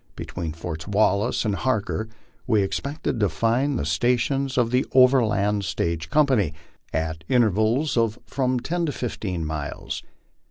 Between Forts Wallace and Harker we expected to find the stations of the overland stage company, at intervals of from ten to fifteen miles.